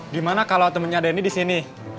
gimana kalau temennya denny di sini